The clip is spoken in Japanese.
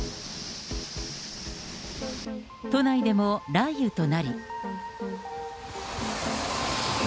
都内でも雷雨となり。